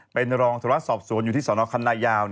เป็นรองทรวจสอบสวนอยู่ที่สอนอคัณะยาว